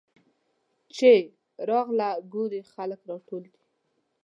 چې راغله ګوري چې خلک راټول دي.